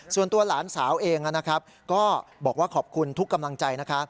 ส่วนตัวหลานสาวเองนะครับก็บอกว่าขอบคุณทุกกำลังใจนะคะ